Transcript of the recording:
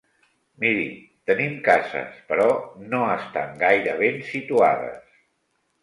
Miri, tenim cases, però no estan gaire ben situades.